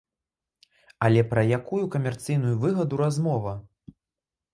Але пра якую камерцыйную выгаду размова?